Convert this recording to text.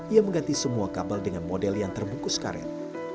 ia mengganti semua kabel dengan model yang terbungkus karet